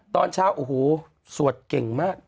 ตอนเช้าสวดเชียงมาก